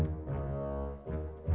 gak ada apa apa